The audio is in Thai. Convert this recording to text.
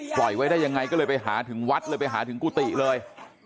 ปล่อยไว้ได้ยังไงก็เลยไปหาถึงวัดเลยไปหาถึงกุฏิเลย